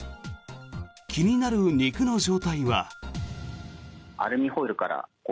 気になる肉の状態は。